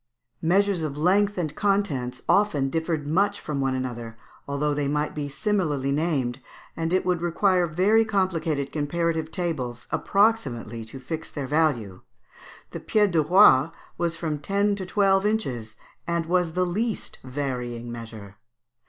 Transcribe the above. Measures of length and contents often differed much from one another, although they might be similarly named, and it would require very complicated comparative tables approximately to fix their value. The pied de roi was from ten to twelve inches, and was the least varying measure.